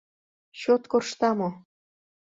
Чот коршта мо?